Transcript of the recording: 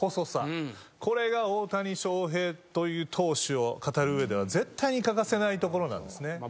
これが大谷翔平という投手を語る上では絶対に欠かせないところなんですね。